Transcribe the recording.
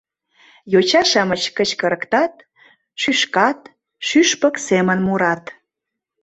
Йоча-шамыч кычкырыктат, шӱшкат, шӱшпык семын мурат.